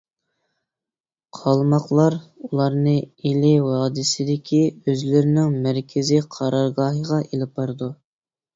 قالماقلار ئۇلارنى ئىلى ۋادىسىدىكى ئۆزلىرىنىڭ مەركىزىي قارارگاھىغا ئېلىپ بارىدۇ.